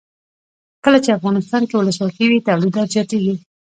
کله چې افغانستان کې ولسواکي وي تولیدات زیاتیږي.